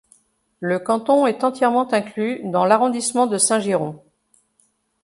Le canton est entièrement inclus dans l'arrondissement de Saint-Girons.